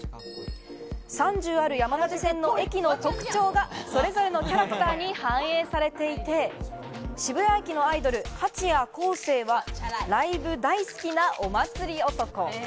３０ある山手線の駅の特徴がそれぞれのキャラクターに反映されていて、渋谷駅のアイドル・蜂谷恒星は、ライブ大好きなお祭り男。